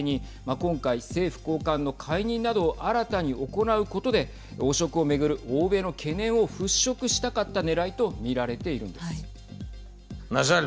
今回、政府高官の解任などを新たに行うことで汚職を巡る欧米の懸念を払拭したかったねらいと見られているんです。